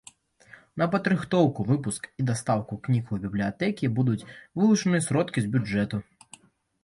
На падрыхтоўку, выпуск і дастаўку кніг у бібліятэкі будуць вылучаныя сродкі з бюджэту.